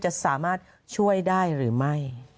จะสามารถช่วยได้หรือไม่